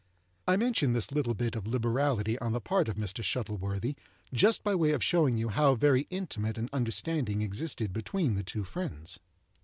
I mention this little bit of liberality on the part of Mr. Shuttleworthy, just by way of showing you how very intimate an understanding existed between the two friends.